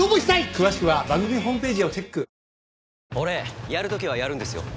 詳しくは番組ホームページをチェック。